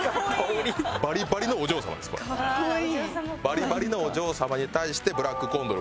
バリバリのお嬢様に対してブラックコンドル